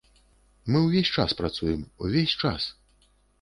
Мы ўвесь час працуем, увесь час.